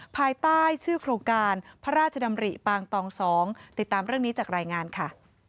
ภายใต้ชื่อโครงการพระราชดำริปางตอง๒ติดตามเรื่องนี้จากรายงานค่ะ